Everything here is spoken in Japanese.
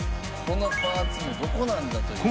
このパーツもどこなんだという。